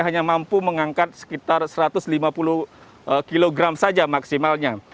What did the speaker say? hanya mampu mengangkat sekitar satu ratus lima puluh kg saja maksimalnya